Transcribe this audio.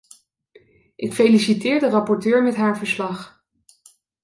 Ik feliciteer de rapporteur met haar verslag.